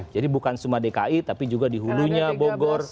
jadi bukan cuma dki tapi juga di hulunya bogor